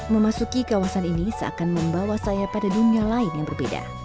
memasuki kawasan ini seakan membawa saya pada dunia lain yang berbeda